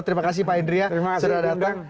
terima kasih pak indria sudah datang